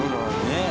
ねえ。